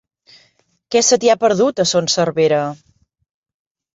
Què se t'hi ha perdut, a Son Servera?